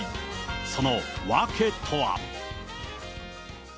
その訳とは。